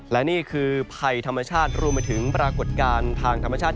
และนี่คือภัยธรรมชาติรวมไปถึงปรากฏการณ์ทางธรรมชาติ